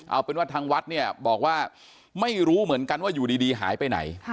เอาเป็นว่าทางวัดเนี่ยบอกว่าไม่รู้เหมือนกันว่าอยู่ดีหายไปไหน